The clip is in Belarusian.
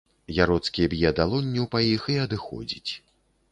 Яроцкі б'е далонню па іх і адыходзіць.